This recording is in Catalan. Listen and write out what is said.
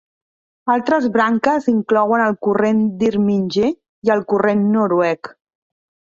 Altres branques inclouen el corrent d'Irminger i el corrent noruec.